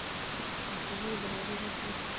د خبرو دروازه باید خلاصه وي